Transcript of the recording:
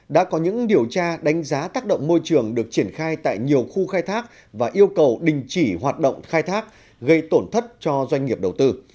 đã có những điều tra đánh giá tác động môi trường được triển khai tại nhiều khu khai thác và yêu cầu đình chỉ hoạt động khai thác gây tổn thất cho doanh nghiệp đầu tư